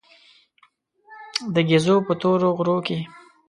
د ګېزو په تورو غرو کې.